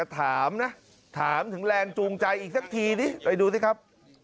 ถามถึงแรงจูงใจอีกสักทีไปดูสิครับ